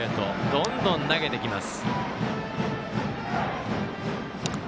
どんどん投げてきます。